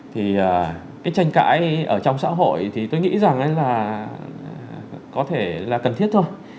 thì cái tranh cãi ở trong xã hội thì tôi nghĩ rằng là có thể là cần thiết thôi